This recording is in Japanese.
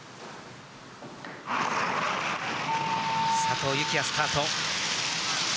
佐藤幸椰スタート。